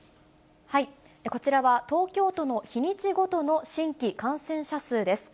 こちらは、東京都の日にちごとの新規感染者数です。